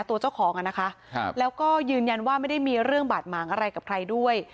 ตัวเจ้าของอ่ะนะคะครับแล้วก็ยืนยันว่าไม่ได้มีเรื่องบาดหมางอะไรกับใครด้วย